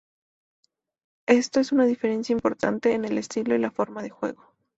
Esto es una diferencia importante en el estilo y la forma de juego.